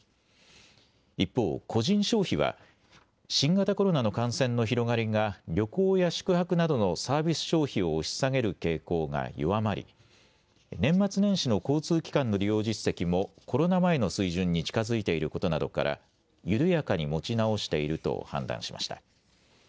一方、個人消費は新型コロナの感染の広がりが旅行や宿泊などのサービス消費を押し下げる傾向が弱まり年末年始の交通機関の利用実績もコロナ前の水準に近づいていることなどから、緩やかに持ち直していると判断しました。